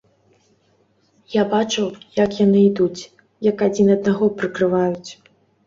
Я бачыў, як яны ідуць, як адзін аднаго прыкрываюць.